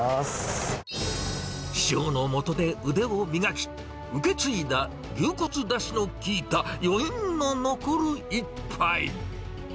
師匠のもとで腕を磨き、受け継いだ牛骨だしの効いた余韻の残る一杯。